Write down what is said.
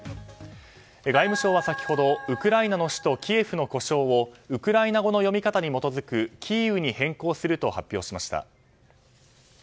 外務省は先ほどウクライナの首都キエフの呼称をウクライナ語の読み方に基づくキーウに変更すると発表しました。